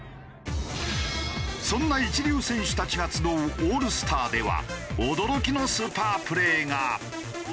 そんな一流選手たちが集うオールスターでは驚きのスーパープレーが。